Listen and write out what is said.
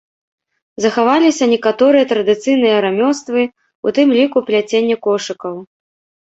Захаваліся некаторыя традыцыйныя рамёствы, у тым ліку пляценне кошыкаў.